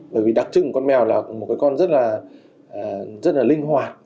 bởi vì đặc trưng của con mèo là một cái con rất là linh hoạt